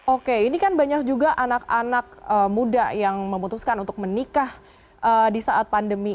oke ini kan banyak juga anak anak muda yang memutuskan untuk menikah di saat pandemi